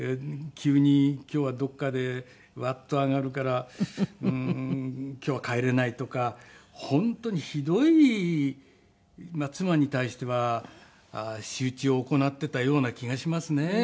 急に今日はどこかでワッと上がるから今日は帰れないとか本当にひどい妻に対しては仕打ちを行っていたような気がしますね。